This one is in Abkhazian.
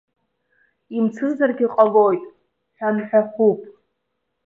Имцызаргьы ҟалоит, ҳәанҳәахуп.